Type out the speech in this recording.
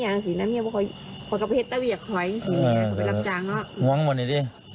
ยังไงหรอพวกตีอยู่ไหนกับพวกนี้